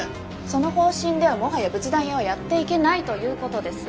その方針ではもはや仏壇屋はやっていけないということです